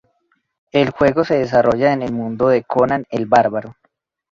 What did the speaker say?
El juego se desarrolla en el mundo de Conan el Bárbaro.